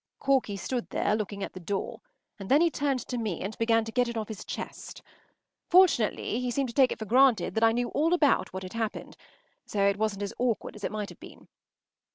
” Corky stood there, looking at the door, and then he turned to me and began to get it off his chest. Fortunately, he seemed to take it for granted that I knew all about what had happened, so it wasn’t as awkward as it might have been.